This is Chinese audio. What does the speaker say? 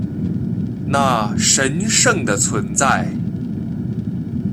那神圣的存在